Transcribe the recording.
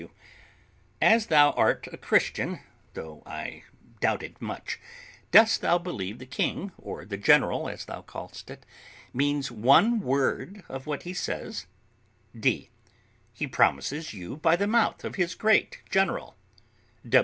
W. As thou art a Christian, though I doubt it much, dost thou believe the king or the general, as thou callest it, means one word of what he says? D. He promises you by the mouth of his great general.